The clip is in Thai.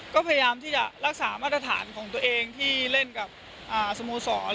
ก็พยายามที่จะรักษามาตรฐานของตัวเองที่เล่นกับสโมสร